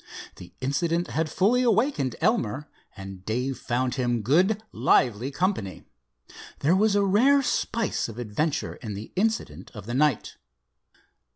The incident had fully awakened Elmer, and Dave found him good lively company. There was a rare spice of adventure in the incident of the night.